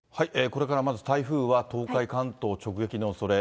これからまず台風は東海、関東、直撃のおそれ。